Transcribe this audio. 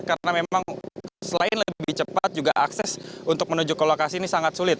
karena memang selain lebih cepat juga akses untuk menuju ke lokasi ini sangat sulit